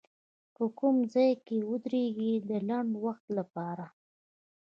که کوم ځای کې ودرېږي د لنډ وخت لپاره